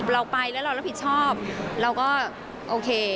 เราไปแล้วเรารับผิดชอบเราก็โอเค